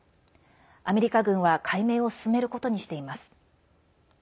アメリカ軍は解明を進めることにしています。